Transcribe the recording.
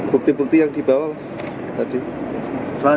bukti bukti yang dibawa tadi